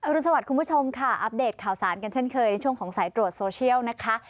รุนสวัสดิ์คุณผู้ชมค่ะอัปเดตข่าวสารกันเช่นเคยในช่วงของสายตรวจโซเชียลนะคะ